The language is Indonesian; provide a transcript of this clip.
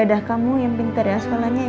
yaudah kamu yang pintar ya sekolahnya ya